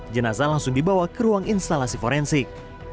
jenazah langsung dibawa ke ruang instalasi forensik